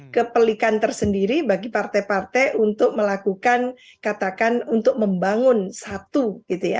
kepelikan tersendiri bagi partai partai untuk melakukan katakan untuk membangun satu gitu ya